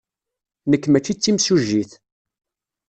Nekk maci d timsujjit.